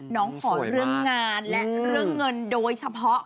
ขอเรื่องงานและเรื่องเงินโดยเฉพาะ